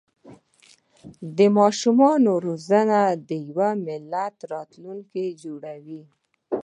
د ماشومانو روزنه د یو ملت راتلونکی جوړوي.